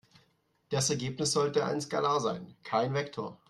Das Ergebnis sollte ein Skalar sein, kein Vektor.